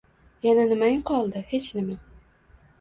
Yana nimang qoldi? Hech nima…